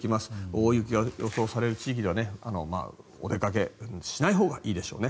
大雪が予想される地域ではお出かけしないほうがいいでしょうね。